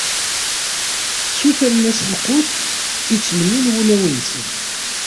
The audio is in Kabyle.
Ssutren-as lqut i ttmennin wulawen-nsen.